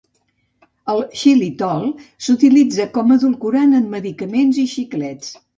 El xilitol s'utilitza com a edulcorant en medicaments i xiclets.